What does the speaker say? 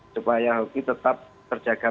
supaya hoki tetap terjaga